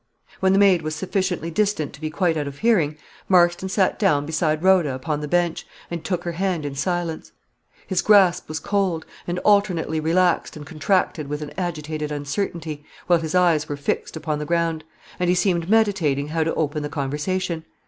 When the maid was sufficiently distant to be quite out of hearing, Marston sate down beside Rhoda upon the bench, and took her hand in silence. His grasp was cold, and alternately relaxed and contracted with an agitated uncertainty, while his eyes were fixed upon the ground, and he seemed meditating how to open the conversation.